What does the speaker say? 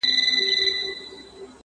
زه د غم تخم کرمه او ژوندی پر دنیا یمه!!